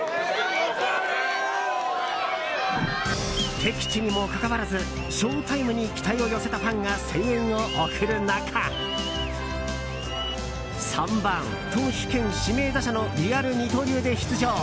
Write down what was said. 敵地にもかかわらずショウタイムに期待を寄せたファンが声援を送る中３番、投手兼指名打者のリアル二刀流で出場。